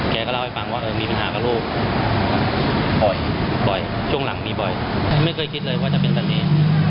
แกก็เล่าให้ฟังว่ามีปัญหากับลูกบ่อยช่วงหลังมีบ่อยไม่เคยคิดเลยว่าจะเป็นแบบนี้